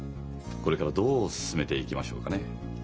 これからどう進めていきましょうかね？